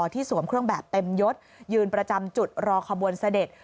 สวมเครื่องแบบเต็มยศยืนประจำจุดรอขบวนเสด็จ